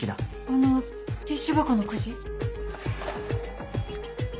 あのティッシュ箱のくじ？